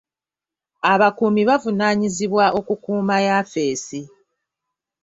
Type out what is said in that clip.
Abakuumi bavunaanyizibwa okukuuma yafesi.